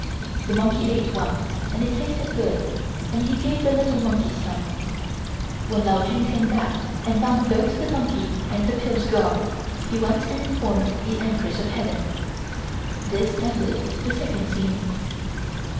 The monkey ate one and it tasted good and he gave the little monkeys some. When Lao Chun came back and found both the monkey and the pills gone he went and informed the Empress of Heaven. This ended the second scene.